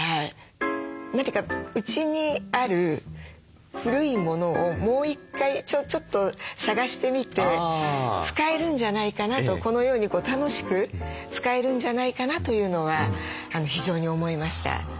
何て言うかうちにある古いものをもう１回ちょっと探してみて使えるんじゃないかなとこのように楽しく使えるんじゃないかなというのは非常に思いました。